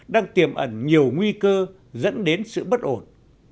đang tiềm ẩn nhiều nguy cơ dẫn đến sự bất ổn